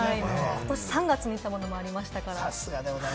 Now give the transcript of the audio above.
今年３月に出たものもありました。